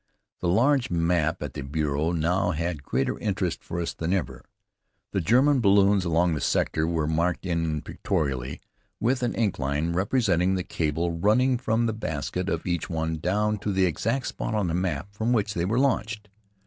The large map at the bureau now had greater interest for us than ever. The German balloons along the sector were marked in pictorially, with an ink line, representing the cable, running from the basket of each one down to the exact spot on the map from which they were launched.